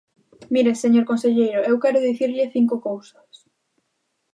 Mire, señor conselleiro, eu quero dicirlle cinco cousas.